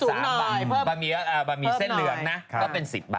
สนุนโดยดีที่สุดคือการให้ไม่สิ้นสุด